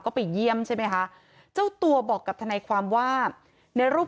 ก็ไปเยี่ยมใช่ไหมคะเจ้าตัวบอกกับทนายความว่าในรูป